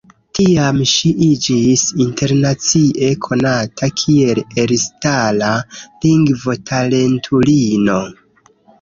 Tiam ŝi iĝis internacie konata kiel elstara lingvo-talentulino.